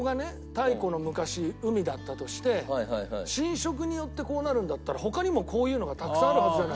太古の昔海だったとして浸食によってこうなるんだったら他にもこういうのがたくさんあるはずじゃない。